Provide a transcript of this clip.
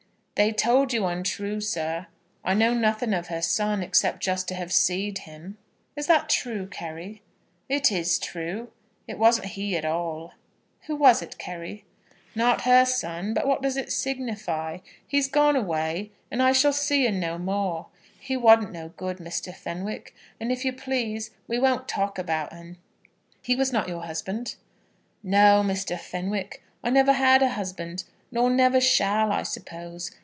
"They told you untrue, sir. I know nothing of her son, except just to have see'd him." "Is that true, Carry?" "It is true. It wasn't he at all." "Who was it, Carry?" "Not her son; but what does it signify? He's gone away, and I shall see un no more. He wasn't no good, Mr. Fenwick, and if you please we won't talk about un." "He was not your husband?" "No, Mr. Fenwick; I never had a husband, nor never shall, I suppose.